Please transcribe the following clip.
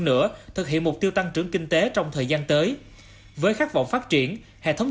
nữa thực hiện mục tiêu tăng trưởng kinh tế trong thời gian tới với khát vọng phát triển hệ thống